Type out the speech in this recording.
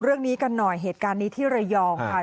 เรื่องนี้กันหน่อยเหตุการณ์นี้ที่ระยองค่ะ